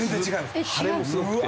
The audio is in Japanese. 腫れもすごくて。